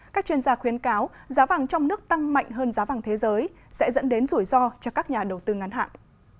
các chuyên gia khuyến cáo giá vàng trong nước tăng mạnh hơn giá vàng thế giới sẽ dẫn đến rủi ro cho các nhà đầu tư ngắn hạn